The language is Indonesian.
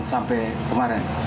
dan sampai kemarin